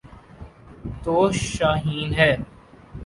'تو شاہین ہے۔